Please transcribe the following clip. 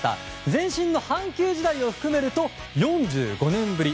前身の阪急時代を含めると４５年ぶり。